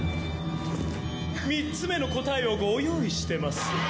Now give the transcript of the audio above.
３つめの答えをご用意してます。